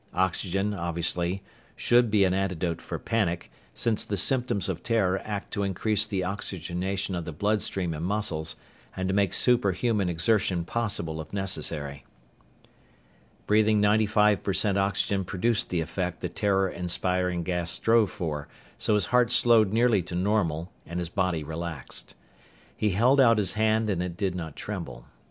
Oxygen, obviously, should be an antidote for panic, since the symptoms of terror act to increase the oxygenation of the bloodstream and muscles, and to make superhuman exertion possible if necessary. Breathing ninety five percent oxygen produced the effect the terror inspiring gas strove for, so his heart slowed nearly to normal and his body relaxed. He held out his hand and it did not tremble.